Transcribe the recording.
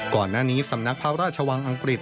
ก่อนหน้านี้สำนักพระราชวังอังกฤษ